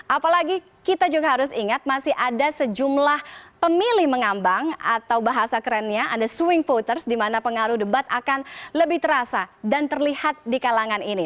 apalagi kita juga harus ingat masih ada sejumlah pemilih mengambang atau bahasa kerennya ada swing voters di mana pengaruh debat akan lebih terasa dan terlihat di kalangan ini